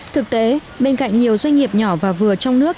thực tế bên cạnh nhiều doanh nghiệp nhỏ và vừa trong nước